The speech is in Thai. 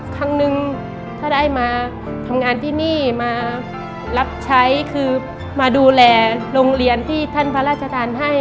ครั้งนึงถ้าได้มาทำงานที่นี่มารับใช้คือมาดูแลโรงเรียนที่ท่านพระราชทานให้